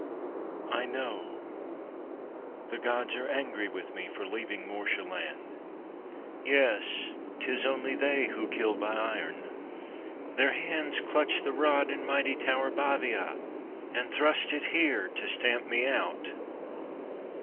"I know. The Gods are angry with me for leaving Mortia land. Yes! 'Tis only They who kill by iron. Their hands clutch the rod in mighty tower Baviat, and thrust it here to stamp me out."